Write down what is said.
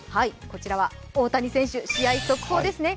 こちらは大谷選手試合速報ですね